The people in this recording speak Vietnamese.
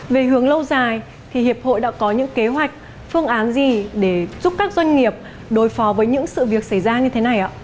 về hướng lâu dài thì hiệp hội đã có những kế hoạch phương án gì để giúp các doanh nghiệp đối phó với những sự việc xảy ra như thế này ạ